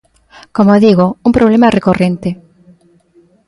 Como digo, un problema recorrente.